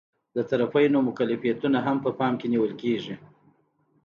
د طرفینو مکلفیتونه هم په پام کې نیول کیږي.